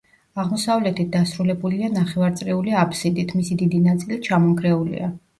აღმოსავლეთით დასრულებულია ნახევარწრიული აბსიდით, მისი დიდი ნაწილი ჩამონგრეულია.